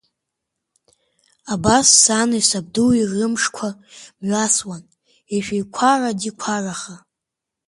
Абас сани сабдуи рымышқәа мҩасуан ишәеиқәара-ӡиқәараха.